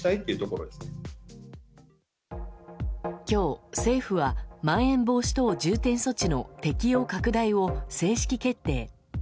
今日、政府はまん延防止等重点措置の適用拡大を正式決定。